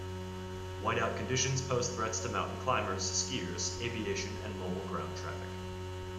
Whiteout conditions pose threats to mountain climbers, skiers, aviation, and mobile ground traffic.